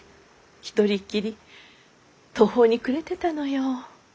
一人っきり途方に暮れてたのよ。